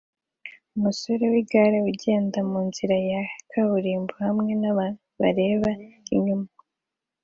Umusore wigare ugenda munzira ya kaburimbo hamwe nabantu bareba inyuma